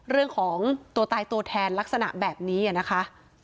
เรื่องของตัวตายตัวแทนลักษณะแบบนี้นะคะ